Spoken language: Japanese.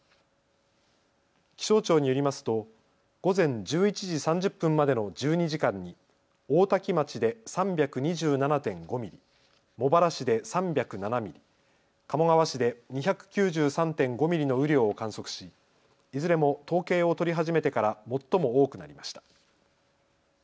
気象庁によりますと午前１１時３０分までの１２時間に大多喜町で３２７．５ミリ、茂原市で３０７ミリ、鴨川市で２９３．５ミリの雨量を観測しいずれも統計を取り始めてから最も多くなりました。